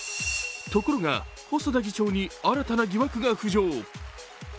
ところが、細田議長に新たな疑惑が浮上。